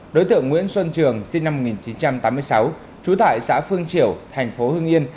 đối tượng nguyễn xuân trường sinh năm một nghìn chín trăm tám mươi sáu trú tại xã phương triều thành phố hưng yên